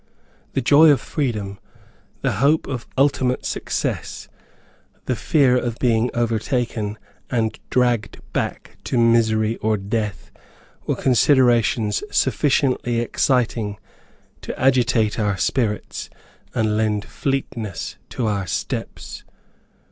The joy of freedom the hope of ultimate success the fear of being overtaken, and dragged back to misery or death, were considerations sufficiently exciting to agitate our spirits, and lend fleetness to our steps.